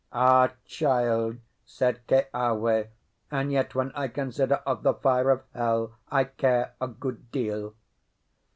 "Ah, child!" said Keawe, "and yet, when I consider of the fire of hell, I care a good deal!"